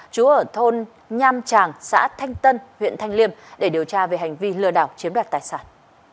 chú ở thôn nham tràng xã thanh tân huyện thanh liêm để điều tra về hành vi lừa đảo chiếm đoạt tài sản